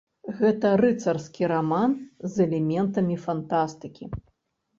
Гэта рыцарскі раман з элементамі фантастыкі.